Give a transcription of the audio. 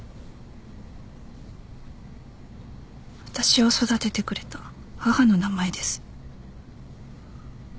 私を育ててくれた母の名前です。